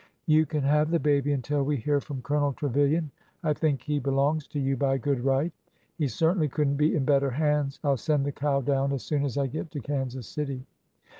You can have the baby until we hear from Colonel Trevilian. I think he belongs to you by good right. He certainly could n't be in better hands. I 'll send the cow down as soon as I get to Kansas City."